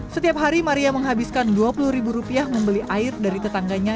setiap hari maria menghabiskan dua puluh ribu rupiah membeli air dari tetangganya